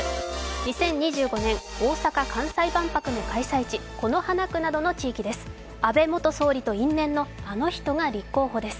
２０２５年、大阪・関西万博の開催地、此花区などの地域です。